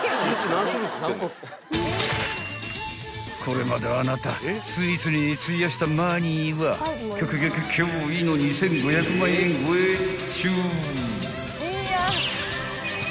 ［これまであなたスイーツに費やしたマニーはきょきょ驚異の２，５００万円超えっちゅう］